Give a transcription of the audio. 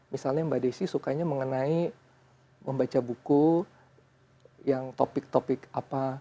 misalnya mbak desy sukanya mengenai membaca buku yang topik topik apa